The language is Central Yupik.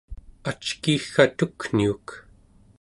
ackiigka tukniuk